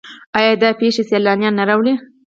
آیا دا پیښې سیلانیان نه راوړي؟